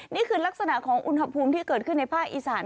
นี่คือลักษณะของอุณหภูมิที่เกิดขึ้นในภาคอีสาน